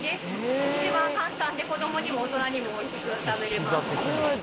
これは簡単で、子どもでも大人でもおいしく食べれます。